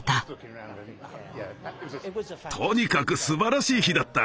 とにかくすばらしい日だった！